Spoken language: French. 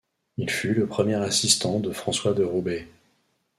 Il fut le premier assistant de François de Roubaix.